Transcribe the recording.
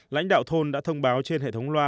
lãnh đạo thôn đã thông báo trên hệ thống loa